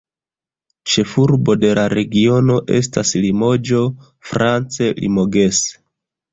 Ĉefurbo de la regiono estas Limoĝo, france "Limoges".